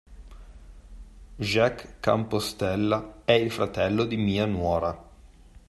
Jacques Campostella è il fratello di mia nuora.